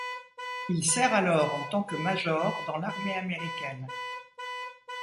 Il sert alors en tant que major dans l'armée américaine.